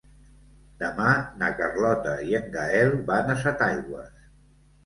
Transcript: Demà na Carlota i en Gaël van a Setaigües.